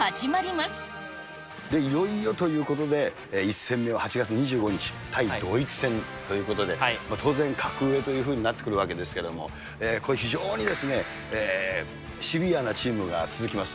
まいよいよということで、１戦目は８月２５日、対ドイツ戦ということで、当然、格上というふうになってくるわけですけれども、これ非常にシビアなチームが続きます。